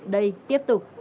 đây tiếp tục